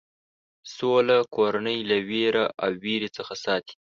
سوله کورنۍ له وېره او وېرې څخه ساتي.